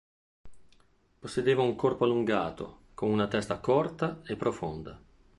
Possedeva un corpo allungato, con una testa corta e profonda.